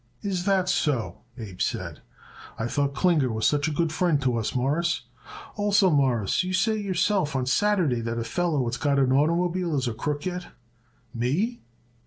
"Is that so?" Abe said. "I thought Klinger was such a good friend to us, Mawruss. Also, Mawruss, you say yourself on Saturday that a feller what's got an oitermobile is a crook yet." "Me!"